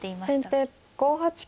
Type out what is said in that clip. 先手５八金。